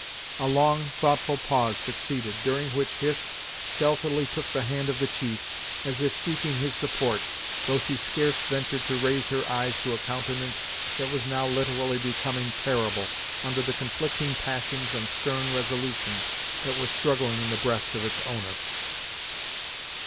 A long, thoughtful pause succeeded, during which Hist stealthily took the hand of the chief, as if seeking his support, though she scarce ventured to raise her eyes to a countenance that was now literally becoming terrible, under the conflicting passions and stern resolution that were struggling in the breast of its owner.